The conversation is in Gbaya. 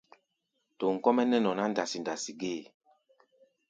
Tom kɔ́-mɛ́ nɛ́ nɔ ná ndasi-ndasi gée.